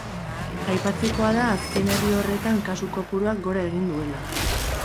Aipatzekoa da azken herri horretan kasu kopuruak gora egin duela.